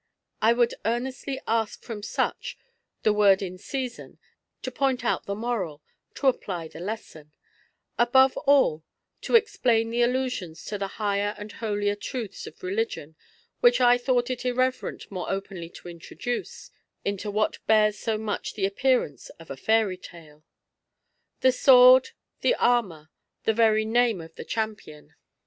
I would earnestly ask from such the "word in season" to point out the moral, to apply the lesson; above all, to explain the allusions to the higher and holier truths of religion which I thought it irreverent more openly to introduce into what bears so much the appearance of a fairy tale. The sword, the armour, the very name of the champion, n PREFACE.